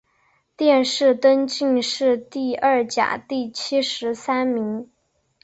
殿试登进士第二甲第七十三名。